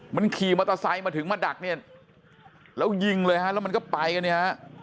มันขี่มอเตอร์ไซค์มาถึงมาดักเนี่ยแล้วยิงเลยฮะแล้วมันก็ไปกันเนี่ยฮะ